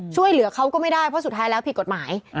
ช่วยเหลือเขาก็ไม่ได้เพราะสุดท้ายแล้วผิดกฎหมาย